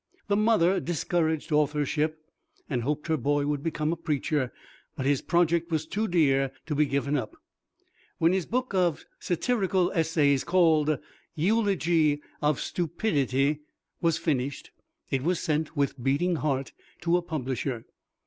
The mother discouraged authorship, and hoped her boy would become a preacher; but his project was too dear to be given up. When his book of satirical essays, called "Eulogy of Stupidity," was finished, it was sent, with beating heart, to a publisher.